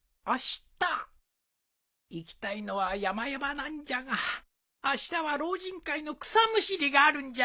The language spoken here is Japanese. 行きたいのはやまやまなんじゃがあしたは老人会の草むしりがあるんじゃよ。